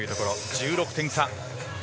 １６点差。